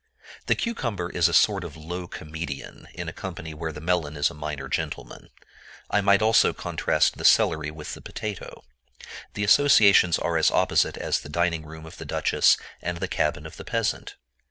The cucumber is a sort of low comedian in a company where the melon is a minor gentleman. I might also contrast the celery with the potato. The associations are as opposite as the dining room of the duchess and the cabin of the peasant.